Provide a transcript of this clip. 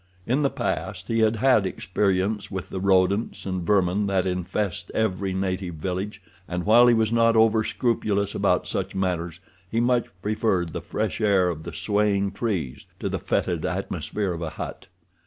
In the past he had had experience with the rodents and vermin that infest every native village, and, while he was not overscrupulous about such matters, he much preferred the fresh air of the swaying trees to the fetid atmosphere of a hut.